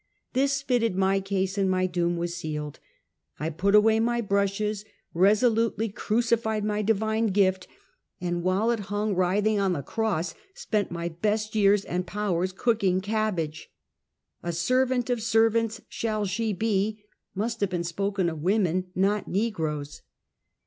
This fitted my case, and my doom was sealed. I put away my brushes; resolutely crucified my di vine gift, and while it hung writhing on the cross, spent my best years and powers cooking cabbage. " A servant of servants shall she be," must have been spoken of women, not negroes.